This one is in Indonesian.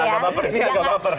baper ada baper